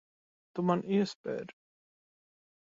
Tu man iespēri.